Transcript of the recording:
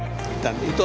dan itu adalah super blok